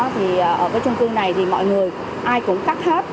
thì ở cái chung cư này thì mọi người ai cũng cắt hết